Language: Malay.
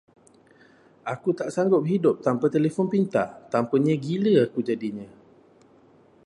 Aku tak sanggup hidup tanpa telefon pintar, tanpanya gila aku jadinya.